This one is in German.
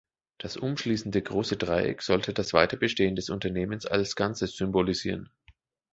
Das umschließende große Dreieck sollte das Weiterbestehen des Unternehmens als Ganzes symbolisieren.